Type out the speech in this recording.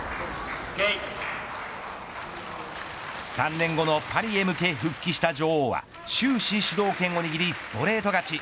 ３年後のパリへ向け復帰した女王は終始主導権を握りストレート勝ち。